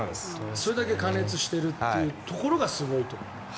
それだけ過熱しているというところがすごいと思う。